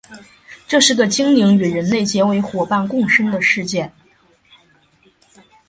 这是个精灵与人类结为夥伴共生的世界。